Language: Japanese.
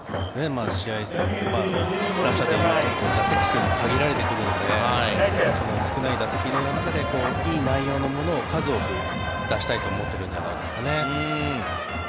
試合数とか、打者で言うと打席数も限られてくるので少ない打席の中でいい内容のものを数多く出したいと思ってるんじゃないですかね。